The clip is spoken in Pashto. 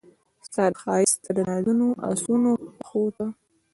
ستا د ښایست ستا دنازونو د اسونو پښو ته